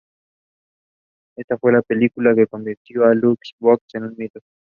Esta fue la película que convirtió a Louise Brooks en un mito.